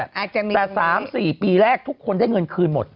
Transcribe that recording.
แต่สามสี่ปีแรกทุกคนด้วยง่ีคืนหมด